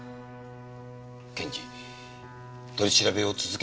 検事取り調べを続けますか？